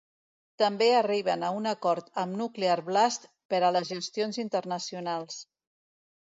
També arriben a un acord amb Nuclear Blast per a les gestions internacionals.